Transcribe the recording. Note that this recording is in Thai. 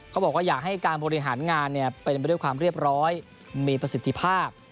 เขาบอกว่าอยากให้การบริหารงานเป็นไปด้วยความเรียบร้อยมีประสิทธิภาพ